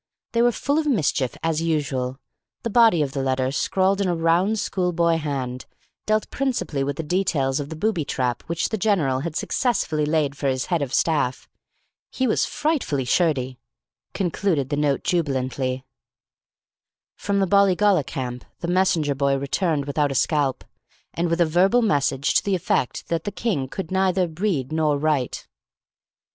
They were full of mischief, as usual. The body of the letter, scrawled in a round, schoolboy hand, dealt principally with the details of the booby trap which the general had successfully laid for his head of staff. "He was frightfully shirty," concluded the note jubilantly. From the Bollygolla camp the messenger boy returned without a scalp, and with a verbal message to the effect that the King could neither read nor write.